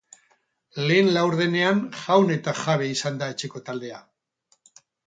Lehen laurdenean jaun eta jabe izan da etxeko taldea.